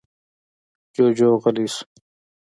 جُوجُو غلی شو.